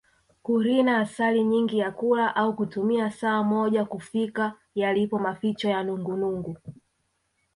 Kurina asali nyingi ya kula au kutumia saa moja kufika yalipo maficho ya nungunungu